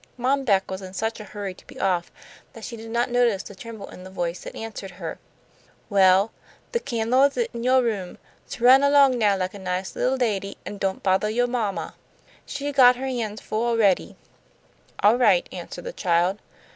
Mom Beck was in such a hurry to be off that she did not notice the tremble in the voice that answered her. "Well, the can'le is lit in yo' room. So run along now like a nice little lady, an' don't bothah yo' mamma. She got her hands full already." "All right," answered the child.